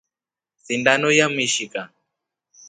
Sindono yamishka.